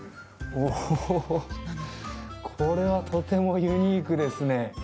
おおこれはとてもユニークですね